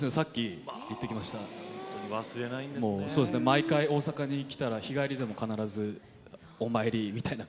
毎回大阪に来たら日帰りでも必ずお参りみたいな感じで行きますね。